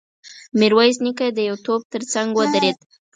ميرويس نيکه د يوه توپ تر څنګ ودرېد.